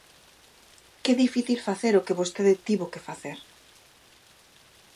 ¡Que difícil facer o que vostede tivo que facer!